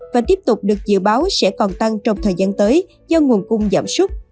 và tiếp tục được dự báo sẽ còn tăng trong thời gian tới do nguồn cung giảm súc